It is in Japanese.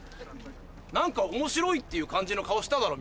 何か面白いっていう感じの顔しただろ？